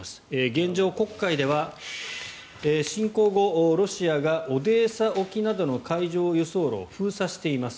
現状、黒海では侵攻後、ロシアがオデーサ沖などの海上輸送路を封鎖しています。